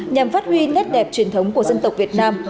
nhằm phát huy nét đẹp truyền thống của dân tộc việt nam